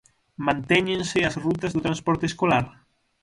Mantéñense as rutas do transporte escolar?